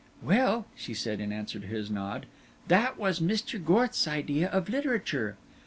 "Well," she said in answer to his nod, "that was Mr. Gorth's idea of literature.